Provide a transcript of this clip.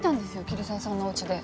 桐沢さんのおうちで。